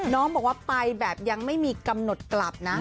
น้องบอกว่าไปแบบยังไม่มีกำหนดกลับนะ